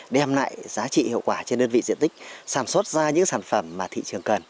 đem lại giá trị hiệu quả trên đơn vị diện tích sản xuất ra những sản phẩm mà thị trường cần